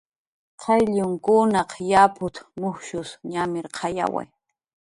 "Qayllunkunaq yaput"" mujskun ñamirqayawi"